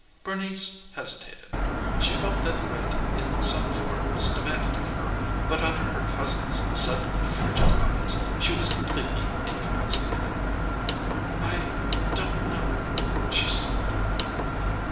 Bernice hesitated. She felt that wit in some form was demanded of her, but under her cousin's suddenly frigid eyes she was completely incapacitated. "I don't know," she stalled.